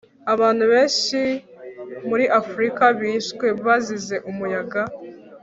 abantu benshi muri afrika bishwe bazize umuyaga